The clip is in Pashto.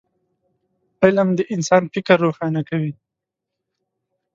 علم د انسان فکر روښانه کوي